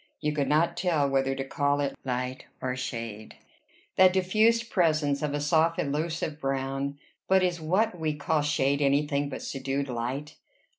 You could not tell whether to call it light or shade, that diffused presence of a soft elusive brown; but is what we call shade any thing but subdued light?